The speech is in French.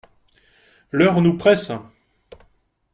L’heure nous presse !